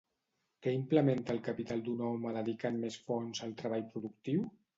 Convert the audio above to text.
Què implementa el capital d'un home dedicant més fons al treball productiu?